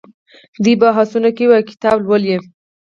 دوی بحثونه کوي او کتاب لوالي.